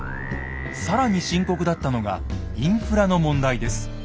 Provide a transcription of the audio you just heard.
更に深刻だったのがインフラの問題です。